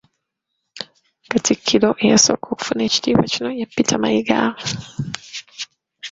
Katikkiro eyasooka okufuna ekitiibwa kino ya Peter Mayiga.